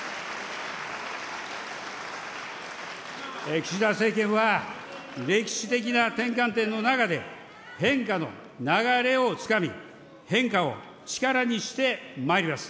岸田政権は歴史的な転換点の中で、変化の流れをつかみ、変化を力にしてまいります。